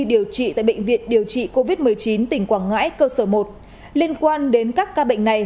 điều trị tại bệnh viện điều trị covid một mươi chín tỉnh quảng ngãi cơ sở một liên quan đến các ca bệnh này